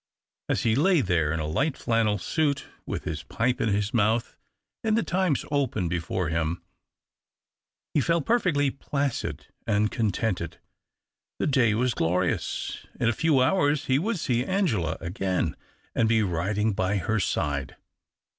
As he lay there in a light flannel suit, with his pipe in his mouth, and the Times open before him, he felt perfectly placid and contented. The day was glorious. In a few hours he would see Angela again and be riding by her side.